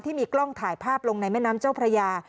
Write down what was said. ที่มีกล้องถ่ายภาพลงในแม่น้ำเจ้าพระยา